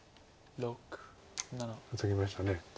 ツギました。